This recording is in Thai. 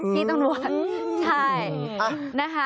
ที่ตำรวจ